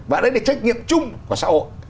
và đấy là trách nhiệm chung của xã hội